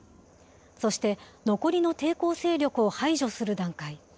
そして残りの抵抗勢力を排除する段階。